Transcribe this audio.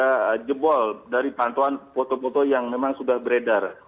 mereka jebol dari pantauan foto foto yang memang sudah beredar